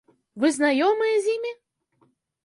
Вы знаёмыя з імі?